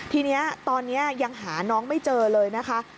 ทีนี้ตอนนี้ยังหาน้องไม่เจอเลยนะคะ